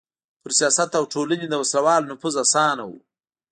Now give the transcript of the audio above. پر سیاست او ټولنې د وسله والو نفوذ اسانه و.